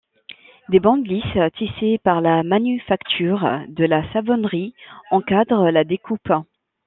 Des bandes lisses tissées par la manufacture de la Savonnerie encadrent la découpe.